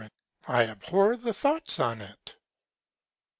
I abhor the Thoughts on't.